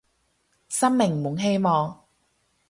生命滿希望